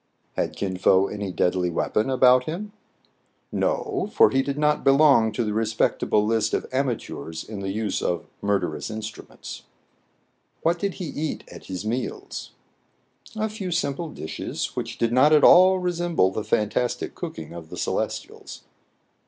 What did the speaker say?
Had Kin Fo any deadly weapon about him } No^ for he did not belong to the respectable list of amateurs in the use of murderous instru ments. What did he eat at His meals } A few simple dishes, which did not at all resem ble the fantastic cooking of the Celestials.